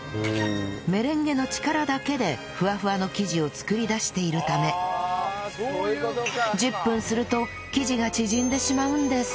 メレンゲの力だけでふわふわの生地を作り出しているため１０分すると生地が縮んでしまうんです